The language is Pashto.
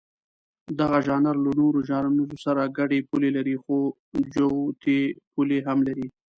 دغه ژانر له نورو ژانرونو سره ګډې پولې لري، خو جوتې پولې هم لري.